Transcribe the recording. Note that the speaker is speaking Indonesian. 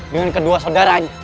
dengan kedua saudaranya